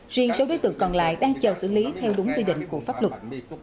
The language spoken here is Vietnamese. riêng số đối tượng còn lại đang chờ xử lý theo đúng quy định của pháp luật